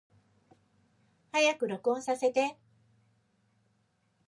早く録音させて